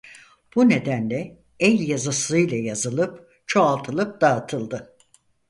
Bu nedenle el yazısıyla yazılıp çoğaltılıp dağıtıldı.